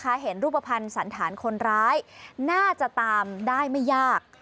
เห็นรูปภัณฑ์สันฐานคนร้ายน่าจะตามได้ไม่ยาก